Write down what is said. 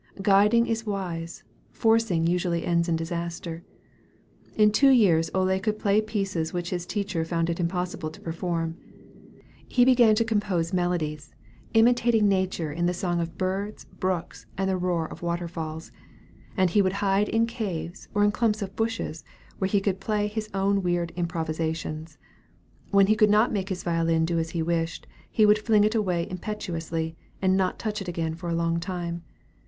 Guiding is wise; forcing usually ends in disaster. In two years, Ole could play pieces which his teacher found it impossible to perform. He began to compose melodies, imitating nature in the song of birds, brooks, and the roar of waterfalls; and would hide in caves or in clumps of bushes, where he could play his own weird improvisations. When he could not make his violin do as he wished, he would fling it away impetuously, and not touch it again for a long time.